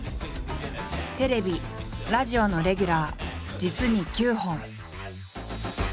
テレビラジオのレギュラー実に９本。